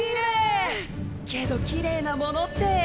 けどキレイなものって。